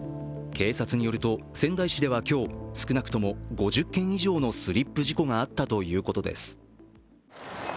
警察によると仙台市では今日、少なくとも５０件以上のスリップ事故があったということです。